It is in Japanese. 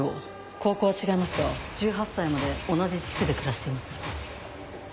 高校は違いますが１８歳まで同じ地区で暮らしています。